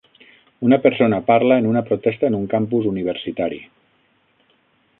Una persona parla en una protesta en un campus universitari.